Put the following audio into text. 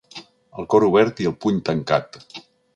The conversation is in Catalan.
El cor obert i el puny tancat!